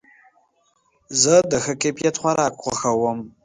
زه د ښه کیفیت خوراک خوښوم.